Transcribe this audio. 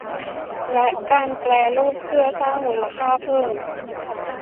และการแปรรูปเพื่อสร้างมูลค่าเพิ่ม